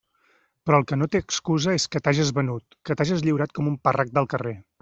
Però el que no té excusa és que t'hages venut, que t'hages lliurat com un parrac del carrer.